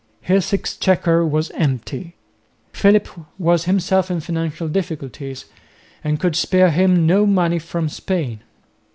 His exchequer was empty. Philip was himself in financial difficulties and could spare him no money from Spain.